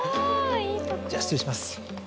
じゃあ失礼します。